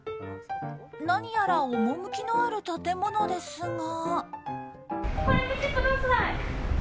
何やら趣のある建物ですが。